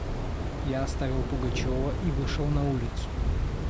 Я оставил Пугачева и вышел на улицу.